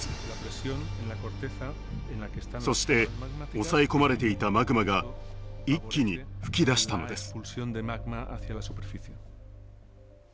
そして抑え込まれていたマグマが一気に噴き出したのです。